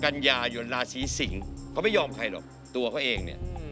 กันยายนราศีสิงศ์เขาไม่ยอมใครหรอกตัวเขาเองเนี่ย